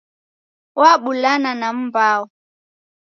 Wabulana na m'mbao.